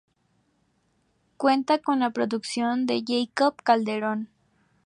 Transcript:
Cuenta con la producción de Jacobo Calderón.